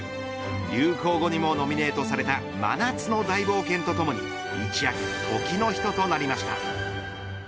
流行語にもノミネートされた真夏の大冒険とともに一躍ときの人となりました。